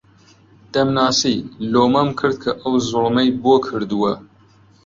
دەمناسی، لۆمەم کرد کە ئەو زوڵمەی بۆ کردووە